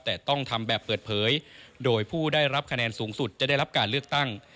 แต่ต้องทำแบบเปิดเผยโดยผู้ได้รับคะแนนสูงสุดจะได้รับการเลือกตั้ง